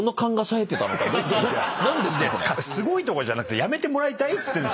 「すごい」とかじゃなくてやめてもらいたいっつってるんですよ。